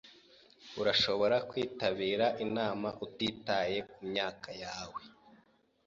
Urashobora kwitabira inama utitaye kumyaka yawe.